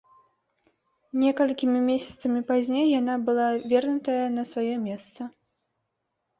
Некалькімі месяцамі пазней яна была вернутая на сваё месца.